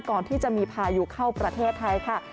ก่อนที่จะมีพายุเข้าประเทศไทยค่ะ